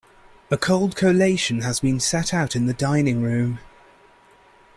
A cold collation has been set out in the dining-room.